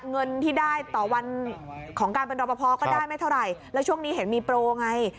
เงินที่ได้ต่อวันของการเป็นรอปภก็ได้ไม่เท่าไหร่แล้วช่วงนี้เห็นมีโปรไง